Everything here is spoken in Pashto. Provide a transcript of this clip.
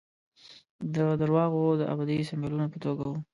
د درواغو د ابدي سمبولونو په توګه وو.